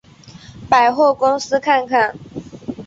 百货公司看看